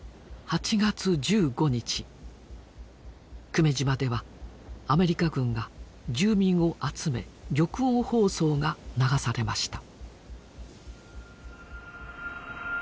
久米島ではアメリカ軍が住民を集め玉音放送が流されました。